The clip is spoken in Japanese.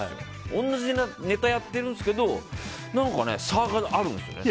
同じネタやってるんですけど何かね、差があるんですよね。